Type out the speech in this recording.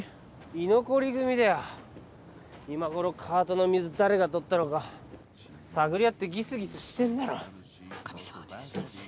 居残り組だよ今頃カートの水誰がとったのか探り合ってギスギスしてんだろ神様お願いします